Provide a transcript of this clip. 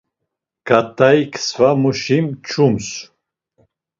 Ǩat̆aik svamuşi mç̌ums.